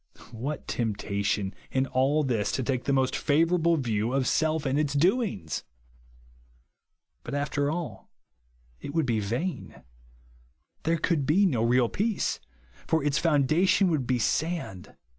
What temp tation in all this to take the most flivour able view of self and its doings ! But, after all, it would be vain. There could be no real peace ; for its foundation would be Kand.